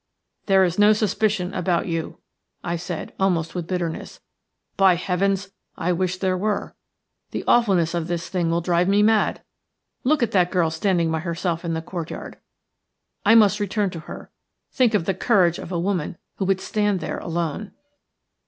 "There is no suspicion about you," I said, almost with bitterness. "By heavens, I wish there were. The awfulness of this thing will drive me mad. Look at that girl standing by herself in the courtyard. I must return to her. Think of the courage of a woman who would stand there alone."